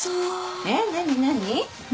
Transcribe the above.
えっ何何？